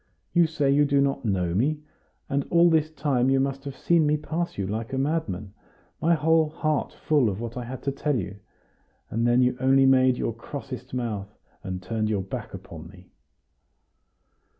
You say you do not know me? And all this time you must have seen me pass you like a madman, my whole heart full of what I had to tell you; and then you only made your crossest mouth, and turned your back upon me."